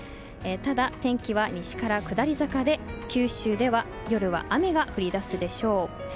ただ、天気は西から下り坂で九州では夜は雨が降り出すでしょう。